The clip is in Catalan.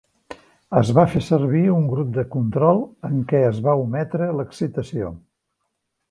Es va fer servir un grup de control en què es va ometre l'excitació.